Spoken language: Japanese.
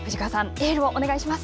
エールをお願いします。